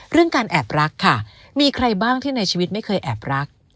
การแอบรักค่ะมีใครบ้างที่ในชีวิตไม่เคยแอบรัก